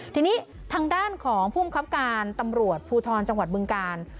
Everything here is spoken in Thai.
ทีนี้ทางด้านของภูมิครับการตำรวจภูทรจังหวัดบึงกาล